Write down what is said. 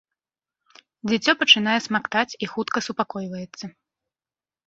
Дзіцё пачынае смактаць і хутка супакойваецца.